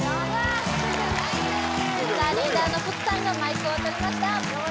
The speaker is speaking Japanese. リーダーの福さんがマイクを取りました